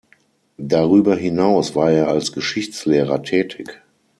Darüber hinaus war er als Geschichtslehrer tätig.